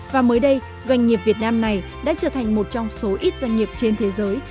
và mới đây doanh nghiệp việt nam này đã trở thành một trong số ít doanh nghiệp trên thế giới